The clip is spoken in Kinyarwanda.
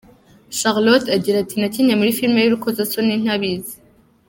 Charlotte agira ati:” Nakinnye muri filime y’urukozasoni ntabizi.